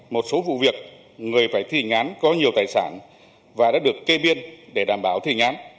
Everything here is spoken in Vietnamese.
một số vụ việc người phải thi hành án có nhiều tài sản và đã được kê biên để đảm bảo thi hành án